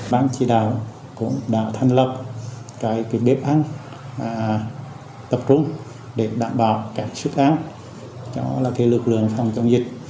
bán chỉ đạo cũng đã thành lập cái bếp ăn tập trung để đảm bảo cái sức ăn cho lực lượng phòng chống dịch